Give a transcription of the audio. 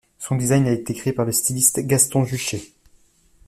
Son design a été créé par le styliste Gaston Juchet.